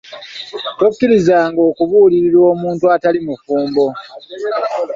Tokkirizanga okubuulirirwa omuntu atali mufumbo.